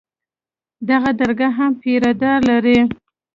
دغه درګاه هم پيره دار لري.